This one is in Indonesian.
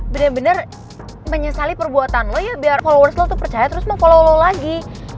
bener bener menyesali perbuatan lo ya biar followers lo tuh percaya terus lo follow lo lagi